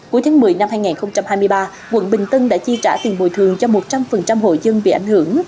cuối tháng một mươi năm hai nghìn hai mươi ba quận bình tân đã chi trả tiền bồi thường cho một trăm linh hội dân bị ảnh hưởng